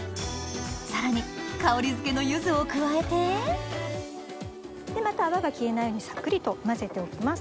さらに香りづけのゆずを加えてまた泡が消えないようにさっくりと混ぜておきます。